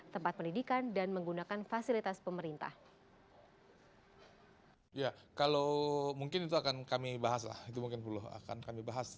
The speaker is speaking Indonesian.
tempat pendidikan dan menggunakan fasilitas pemerintah